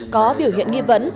có biểu hiện nghi vấn